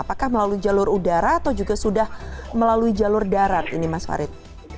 apakah melalui jalur udara atau juga sudah melalui jalur darat ini mas farid